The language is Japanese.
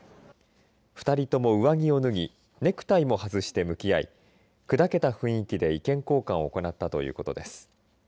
２人とも上着を脱ぎネクタイも外して向き合いくだけた雰囲気で意見交換を行ったということです。